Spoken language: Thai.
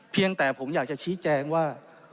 เพียงแต่ผมอยากจะชี้แจงว่า